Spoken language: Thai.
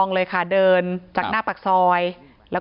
ที่มีข่าวเรื่องน้องหายตัว